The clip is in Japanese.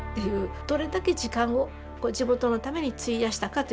どれだけ時間を地元のために費やしたかということで判断されると。